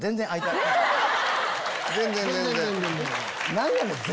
何やねん！